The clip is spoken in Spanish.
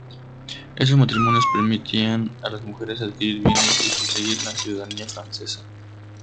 Estos matrimonios permitían a las mujeres adquirir bienes y conseguir la ciudadanía francesa.